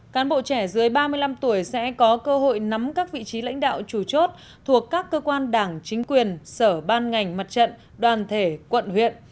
cán bộ trẻ dưới ba mươi năm tuổi sẽ có cơ hội nắm các vị trí lãnh đạo chủ chốt thuộc các cơ quan đảng chính quyền sở ban ngành mặt trận đoàn thể quận huyện